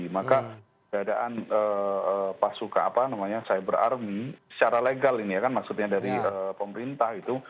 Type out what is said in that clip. maka keadaan pasukan apa namanya cyber army secara legal ini ya kan maksudnya dari pemerintah itu